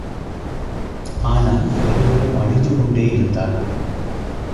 ஆனால், இருவரும் அழுதுகொண்டே இருந்தார்கள்.